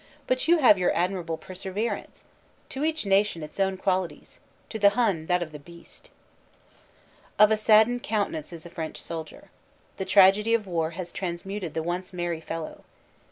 "But you have your admir able perseverance. To each nation its own qualities. To the Hun that of the beast." Of a saddened countenance is the French soldier. The tragedy of war has transmuted the once merry fellow.